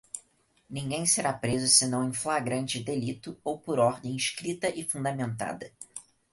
ninguém será preso senão em flagrante delito ou por ordem escrita e fundamentada